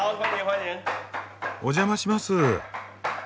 お邪魔します。